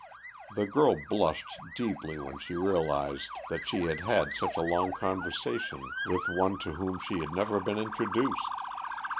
The girl blushed deeply when she realised that she had had such a long conversation with one to whom she had never been introduced.